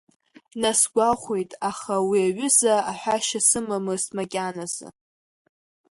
Насгәахәит, аха уи аҩыза аҳәашьа сымамызт макьаназы.